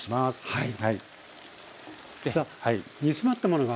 はい。